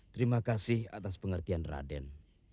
terima kasih atas pengertian raden